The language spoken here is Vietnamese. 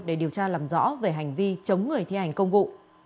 để điều tra làm rõ về hành vi chống người thi hành công vụ